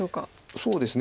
そうですね。